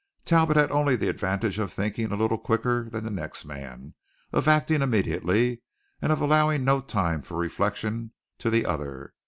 Talbot had only the advantage of thinking a little quicker than the next man, of acting immediately, and of allowing no time for reflection to the other.